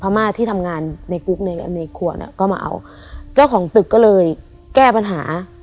มาที่ทำงานในกุ๊กในในครัวอ่ะก็มาเอาเจ้าของตึกก็เลยแก้ปัญหา